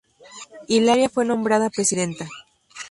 Hilaria fue nombrada presidenta.